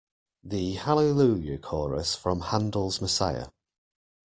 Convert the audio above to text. The Hallelujah Chorus from Handel's Messiah.